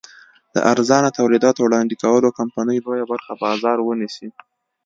د ارزانه تولیداتو وړاندې کولو کمپنۍ لویه برخه بازار ونیسي.